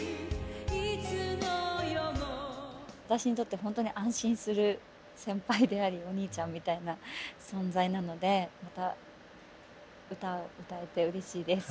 私にとってほんとに安心する先輩でありおにいちゃんみたいな存在なので歌を歌えてうれしいです。